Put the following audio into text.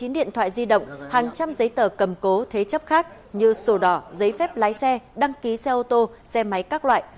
một mươi điện thoại di động hàng trăm giấy tờ cầm cố thế chấp khác như sổ đỏ giấy phép lái xe đăng ký xe ô tô xe máy các loại